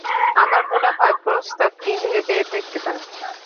আমার মনে হয় প্রস্তাবটি ভেবে দেখতে পারেন।